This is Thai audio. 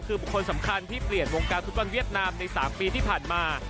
คือบุคคลสำคัญที่เปลี่ยนวงการฟุตบอลเวียดนามใน๓ปีที่ผ่านมา